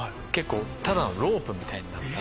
ただのロープみたいだった。